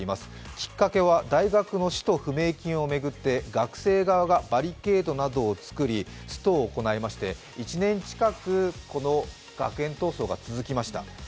きっかけは大学の使途不明金を巡って大学側がバリケードなどを作り、ストを行いまして１年近くこの学園闘争が続きました。